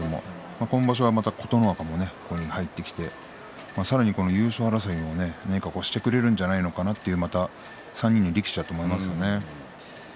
今場所は琴ノ若もここに入ってきて、さらに優勝争いにも何かしてくれるんじゃないかなという３人の力士ですね。